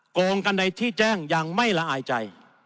โกงกันในที่แจ้งยังไม่ละอายใจ